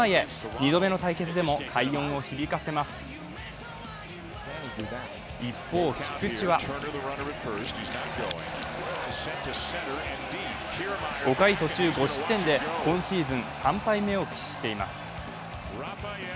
２度目の対決でも快音を響かせます一方、菊池は５回途中５失点で今シーズン３敗目を喫しています。